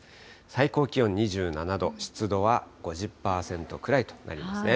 最高気温２７度、湿度は５０％くらいとなりますね。